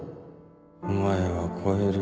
お前は越える